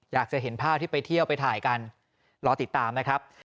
อยากจะเห็นภาพที่ไปเที่ยวไปถ่ายกันรอติดตามนะครับ